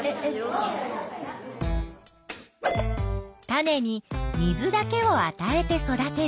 種に水だけをあたえて育てる。